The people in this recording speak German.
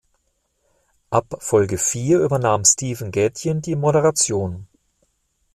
Ab Folge vier übernahm Steven Gätjen die Moderation.